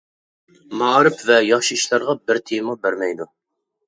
مائارىپ ۋە ياخشى ئىشلارغا بىر تىيىنمۇ بەرمەيدۇ.